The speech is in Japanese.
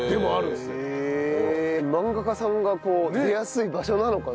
漫画家さんがこう出やすい場所なのかな？